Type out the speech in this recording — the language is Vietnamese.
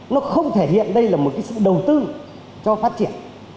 nó không thể hiện đây là một cái sự đầu tư cho phát triển